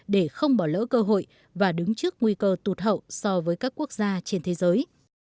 để không bỏ lỡ cơ hội và đứng trước nguy cơ tụt hậu so với các quốc gia trên thế giới